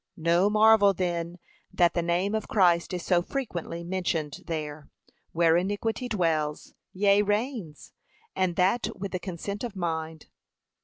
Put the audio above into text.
No marvel then that the name of Christ is so frequently mentioned there, where iniquity dwells, yea, reigns, and that with the consent of the mind.